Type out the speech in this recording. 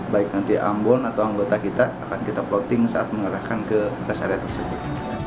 baik nanti ambon atau anggota kita akan kita plotting saat mengarahkan ke rest area tersebut